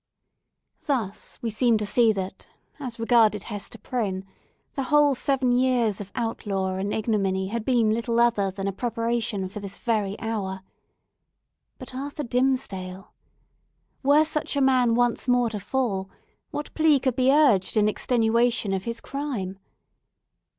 Thus we seem to see that, as regarded Hester Prynne, the whole seven years of outlaw and ignominy had been little other than a preparation for this very hour. But Arthur Dimmesdale! Were such a man once more to fall, what plea could be urged in extenuation of his crime?